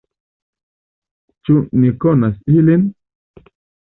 Ĉu ni konas ilin?